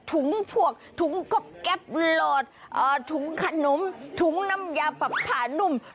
ถุงถุงกบแก๊บโหลดถุงขนมถุงน้ำยาผาหนุ่ม